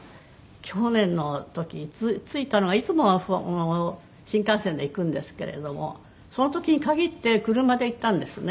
去年の時着いたのがいつもは新幹線で行くんですけれどもその時に限って車で行ったんですね